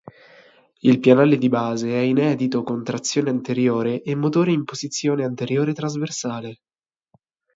Il pianale di base è inedito con trazione anteriore e motore in posizione anteriore-trasversale.